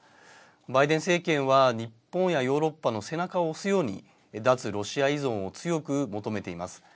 バイデン政権は日本やヨーロッパの背中を押すように脱ロシア依存を強く求めています。